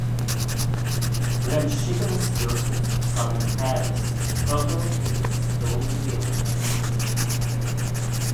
Ren shickerys Yoseph son yn chairys troggal eh gys stoyl reeoil Egypt.